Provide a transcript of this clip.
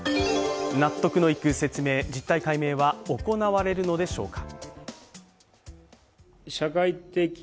納得のいく説明、実態解明は行われるのでしょうか。